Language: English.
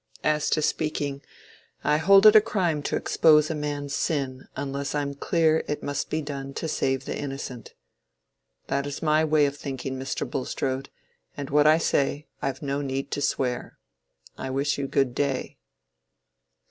As to speaking, I hold it a crime to expose a man's sin unless I'm clear it must be done to save the innocent. That is my way of thinking, Mr. Bulstrode, and what I say, I've no need to swear. I wish you good day."